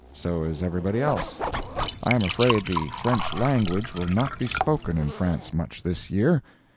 So is everybody else. I am afraid the French language will not be spoken in France much this year.